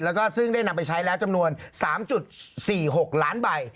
แล้วก็ซึ่งได้นำไปใช้แล้วจำนวน๓๔๖ล้านใบ